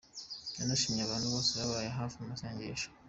Yanashimye abantu bose bababaye hafi mu masengesho.